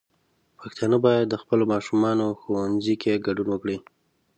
پښتانه بايد د خپلو ماشومانو ښوونځيو کې ګډون وکړي.